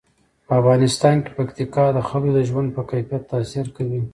په افغانستان کې پکتیکا د خلکو د ژوند په کیفیت تاثیر کوي.